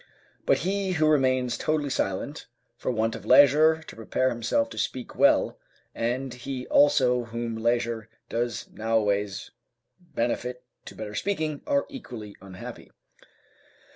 But he who remains totally silent, for want of leisure to prepare himself to speak well, and he also whom leisure does noways benefit to better speaking, are equally unhappy.